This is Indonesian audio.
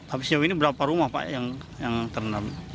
habis ini berapa rumah yang terenam